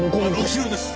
後ろです！